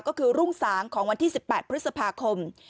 ก็คือรุ่งสางของวันที่๑๘พฤษภาคม